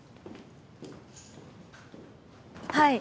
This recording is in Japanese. はい！